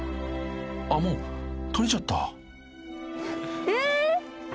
［あっもう撮れちゃった］え！